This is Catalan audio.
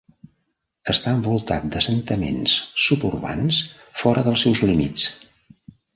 Està envoltat d'assentaments suburbans fora dels seus límits.